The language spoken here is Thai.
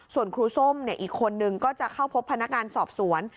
ส่วนครูส้มอีกคนนึงก็จะเข้าพบพนักงานสอบสวน